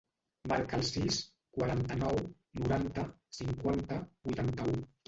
Marca el sis, quaranta-nou, noranta, cinquanta, vuitanta-u.